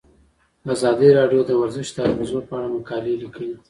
ازادي راډیو د ورزش د اغیزو په اړه مقالو لیکلي.